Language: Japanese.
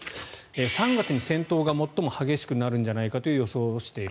３月に戦闘が最も激しくなるんじゃないかと予想している。